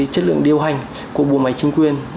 chất lượng điều hành của bộ máy chính quyền